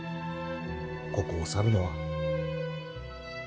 ここを去るのは。